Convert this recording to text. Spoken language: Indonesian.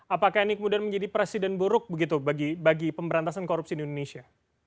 apakah ini kemudian menjadi presiden buruk begitu bagi pemberantasan korupsi di indonesia